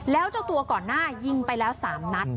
แล้วเจ้าตัวก่อนหน้ายิงไปแล้ว๓นัด